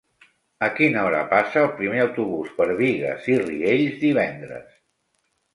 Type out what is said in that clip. A quina hora passa el primer autobús per Bigues i Riells divendres?